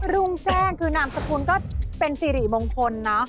รุ่งแจ้งคือนามสกุลก็เป็นสิริมงคลเนอะ